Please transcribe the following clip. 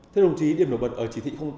thưa đồng chí điểm nổi bật ở chỉ thị tám